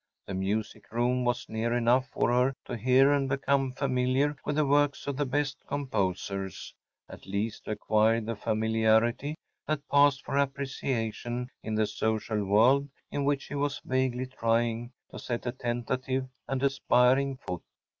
The music room was near enough for her to hear and become familiar with the works of the best composers‚ÄĒat least to acquire the familiarity that passed for appreciation in the social world in which she was vaguely trying to set a tentative and aspiring foot.